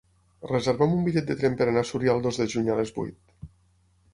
Reserva'm un bitllet de tren per anar a Súria el dos de juny a les vuit.